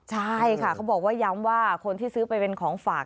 ใช่ค่ะเขาบอกว่าย้ำว่าคนที่ซื้อไปเป็นของฝาก